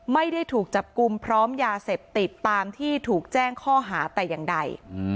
ไม่ได้ถูกจับกลุ่มพร้อมยาเสพติดตามที่ถูกแจ้งข้อหาแต่อย่างใด